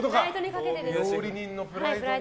料理人のプライド。